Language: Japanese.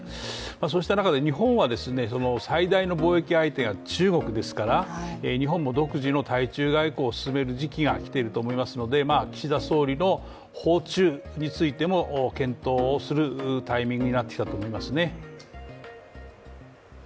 そうした中で日本は最大の貿易相手が中国ですから日本も独自の対中外交を進める時期が来ていると思いますので、岸田総理の訪中についても、検討をするタイミングになってきたと思いますね。